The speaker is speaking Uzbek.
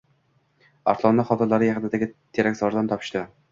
Arslonni hovlilari yaqinidagi terakzordan topishdi.